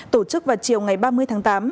tổ chức vào chiều ngày ba mươi tháng tám